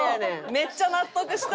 めっちゃ納得した。